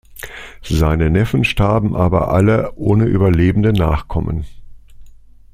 Seine Neffen starben aber alle ohne überlebende Nachkommen.